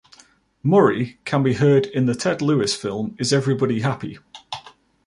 Murray can be heard in the Ted Lewis film Is Everybody Happy?